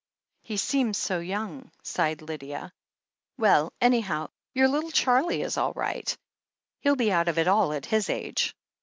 "He seems so young," sighed Lydia. "Well, any how, your little Charlie is all right Heil be out of it all at his age."